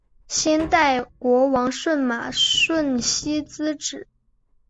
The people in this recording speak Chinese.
先代国王舜马顺熙之子。